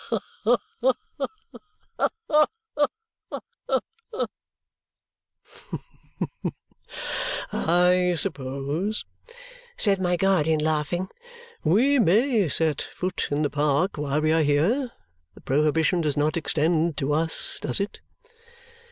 Ha ha ha ha!" "I suppose," said my guardian, laughing, "WE may set foot in the park while we are here? The prohibition does not extend to us, does it?"